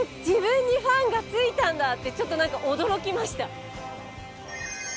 自分にファンが付いたんだってちょっと何か驚きました。